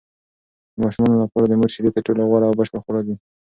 د ماشومانو لپاره د مور شیدې تر ټولو غوره او بشپړ خواړه دي.